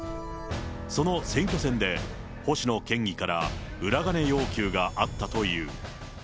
その選挙戦で星野県議から裏金要求があったという。